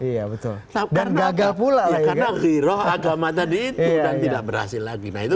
iya betul dan gagal pula ya karena agama tadi tidak berhasil lagi